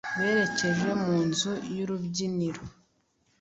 berekeje mu nzu y’urubyiniro